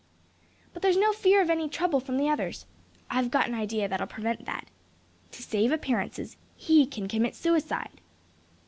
"But there's no fear of any trouble from the others. I've got an idea that'll prevent that. To save appearances, he can commit suicide."